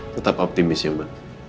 tetap optimis ya ma